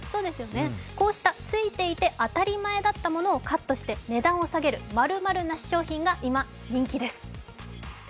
こうした、ついていて当たり前だったものをカットして、値段を下げる○○なし商品が今、人気です。